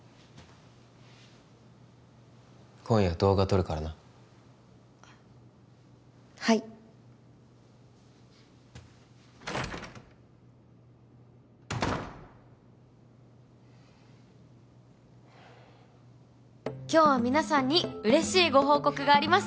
今夜動画撮るからなはい今日は皆さんに嬉しいご報告があります